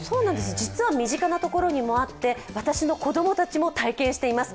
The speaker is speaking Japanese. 実は身近なところにもあって、私の子供たちも体験しています。